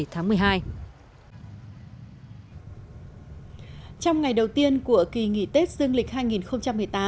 trong ngày đầu tiên của kỳ nghỉ tết dương lịch hai nghìn một mươi tám